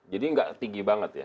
jadi enggak tinggi banget ya